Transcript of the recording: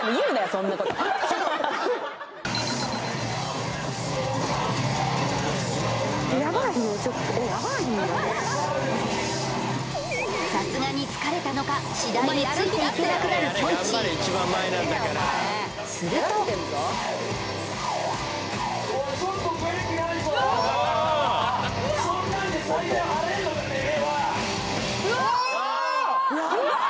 そんなことさすがに疲れたのか次第についていけなくなるきょんちぃするとわっ！